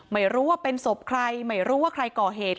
ไม่รู้ว่าเป็นศพใครไม่รู้ว่าใครก่อเหตุ